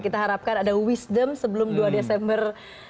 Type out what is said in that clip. kita harapkan ada wisdom sebelum dua desember dua ribu enam belas